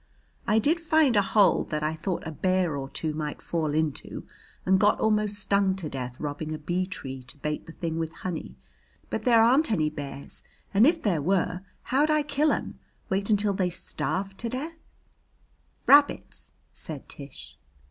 I did find a hole that I thought a bear or two might fall into, and got almost stung to death robbing a bee tree to bait the thing with honey. But there aren't any bears, and if there were how'd I kill 'em? Wait until they starve to death?" "Rabbits!" said Tish.